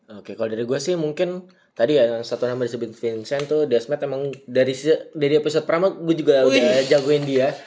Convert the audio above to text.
oke kalau dari gue sih mungkin tadi ya satu nama disebutin vincent tuh dashmat emang dari episode pertama gue juga udah jagoin dia